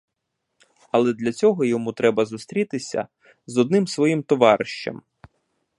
Але для цього йому треба зустрітися з одним своїм товаришем.